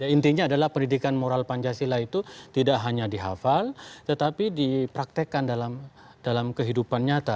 intinya adalah pendidikan moral pancasila itu tidak hanya dihafal tetapi dipraktekkan dalam kehidupan nyata